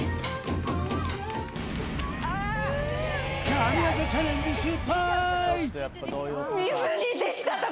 神業チャレンジ失敗！